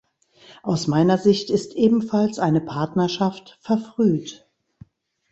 Aus meiner Sicht ist ebenfalls eine Partnerschaft verfrüht.